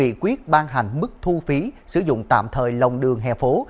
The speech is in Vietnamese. nghị quyết ban hành mức thu phí sử dụng tạm thời lòng đường hè phố